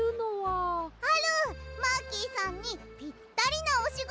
マーキーさんにぴったりなおしごと！